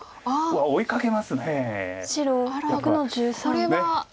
これは。